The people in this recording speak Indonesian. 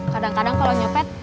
kadang kadang kalau nyopet